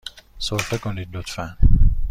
سرفه کنید، لطفاً.